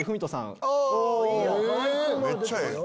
めっちゃええやん。